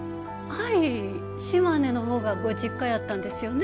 はい島根のほうがご実家やったんですよね？